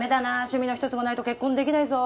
趣味の１つもないと結婚出来ないぞ。